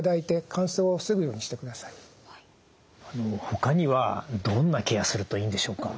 ほかにはどんなケアするといいんでしょうか？